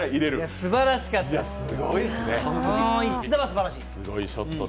すばらしかったです。